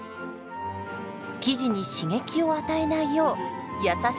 生地に刺激を与えないよう優しく丁寧に。